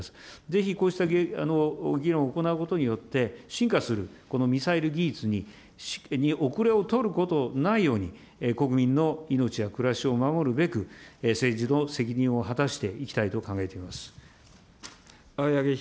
ぜひ、こうした議論を行うことによって、進化するこのミサイル技術に後れを取ることないように、国民の命や暮らしを守るべく、政治の責任を果たしていきたいと考えています。